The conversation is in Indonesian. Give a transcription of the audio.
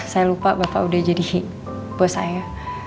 saya lupa bapak udah jadi bos saya